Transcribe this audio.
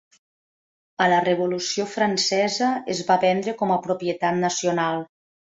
A la Revolució Francesa es va vendre com a propietat nacional.